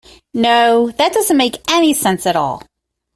No, that doesn't make any sense at all.